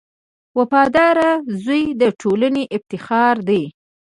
• وفادار زوی د ټولنې افتخار دی.